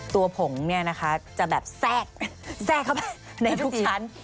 ตัวผงจะแบบแสกในทุกชั้น